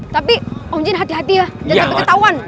tapi om jin hati hati ya jangan sampai ketauan